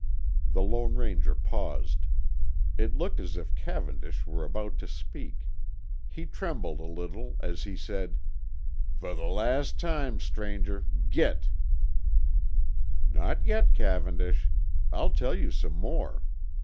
The Lone Ranger paused. It looked as if Cavendish were about to speak. He trembled a little as he said, "Fer the last time, stranger, git." "Not yet, Cavendish. I'll tell you some more.